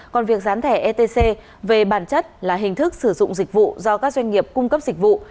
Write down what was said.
còn việc gián thẻ etc về bản chất là hình thức sử dụng dịch vụ do các doanh nghiệp cung cấp dịch vụ